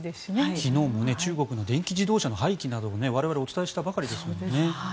昨日も中国の電気自動車の廃棄などを我々お伝えしたばかりですもんね。